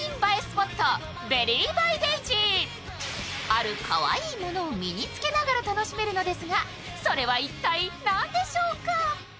あるかわいいものを身に付けながら楽しめるのですが、それは一体何でしょうか。